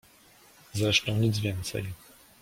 Zresztą nic więcej.